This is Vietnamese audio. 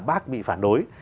bác bị phản đối